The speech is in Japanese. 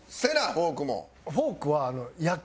フォークも。